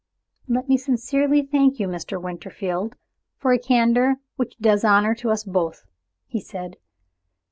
"Let me sincerely thank you, Mr. Winterfield, for a candor which does honor to us both," he said.